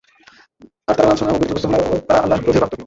আর তারা লাঞ্ছনা ও দারিদ্রগ্রস্ত হল ও তারা আল্লাহর ক্রোধের পাত্র হলো।